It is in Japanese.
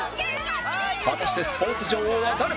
果たしてスポーツ女王は誰だ？